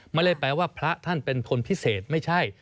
ไม่ได้แปลว่าพระท่านเป็นคนพิเศษไม่ใช่